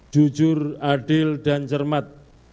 jujur adil dan cermat